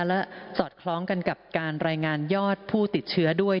และสอดคล้องกันกับการรายงานยอดผู้ติดเชื้อด้วย